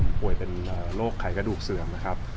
โอเคคือคุณพ่อของผมขววยโรคถี่ไข่กระดูกเสื่อมนะครับ